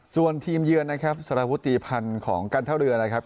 ส่วนทีมเยือนนะครับสารวุฒิพันธ์ของการท่าเรือนะครับ